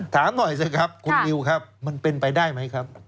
ถามหน่อยสิครับคุณนิวครับมันเป็นไปได้ไหมครับ